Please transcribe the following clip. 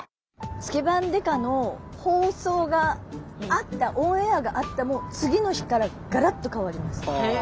「スケバン刑事」の放送があったオンエアがあった次の日からがらっと変わりました。